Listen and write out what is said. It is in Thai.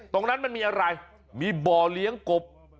ตรงนั้นมันมีอะไรมีบ่อเลี้ยงกบ